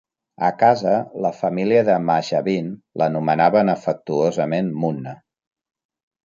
A casa, la família de Mahjabeen l'anomenaven afectuosament "Munna".